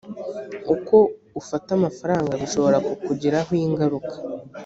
uko ufata amafaranga bishobora kukugiraho ingaruka